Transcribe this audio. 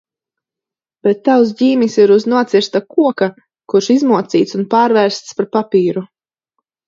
Bet tavs ģīmis ir uz nocirsta koka, kurš izmocīts un pārvērsts par papīru.